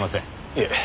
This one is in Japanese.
いえ。